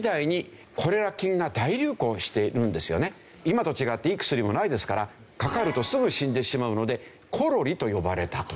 今と違っていい薬もないですからかかるとすぐ死んでしまうのでコロリと呼ばれたという。